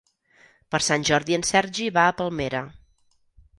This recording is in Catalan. Per Sant Jordi en Sergi va a Palmera.